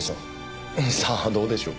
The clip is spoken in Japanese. さあどうでしょう。